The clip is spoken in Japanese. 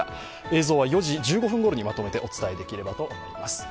映像は４時１５分頃にまとめてお伝えできたらと思います。